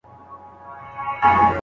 وئېل ئې د ساه ګانو جوارۍ وته حيران دي